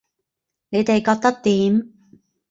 你哋覺得點